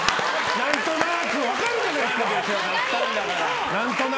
何となく分かるじゃないですか！